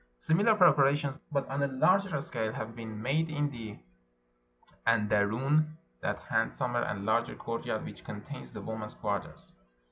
Similar preparations, but on a larger scale, have been made in the anderun, that hand somer and larger courtyard which contains the women's quarters.